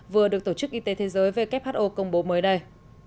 vừa được tổ chức y tế thế giới who công bố mới đây